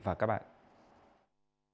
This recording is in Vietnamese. hẹn gặp lại các bạn trong những video tiếp theo